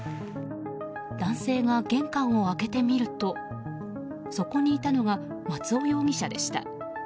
男性が玄関を開けてみるとそこにいたのが松尾容疑者でした。